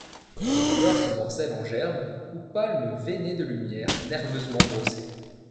Les couleurs se morcellent en gerbes ou palmes veinées de lumière, nerveusement brossées.